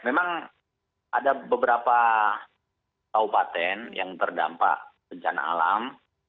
memang ada beberapa kabupaten yang terdampak bencana alam